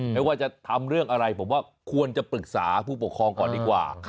ไม่ว่าจะทำเรื่องอะไรผมว่าควรจะปรึกษาผู้ปกครองก่อนดีกว่า